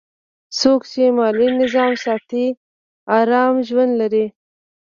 څوک چې مالي نظم ساتي، آرام ژوند لري.